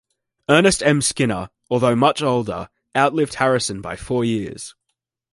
Ernest M. Skinner, although much older, outlived Harrison by four years.